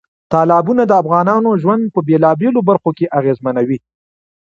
تالابونه د افغانانو ژوند په بېلابېلو برخو کې اغېزمنوي.